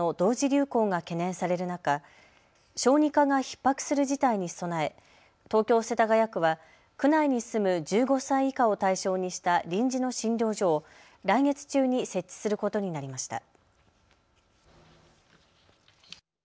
流行が懸念される中、小児科がひっ迫する事態に備え東京世田谷区は区内に住む１５歳以下を対象にした臨時の診療所を来月中に設置することになりました。